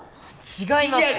違います！